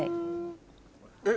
えっ？